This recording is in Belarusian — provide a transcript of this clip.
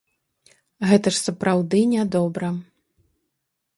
Гэта ж сапраўды нядобра.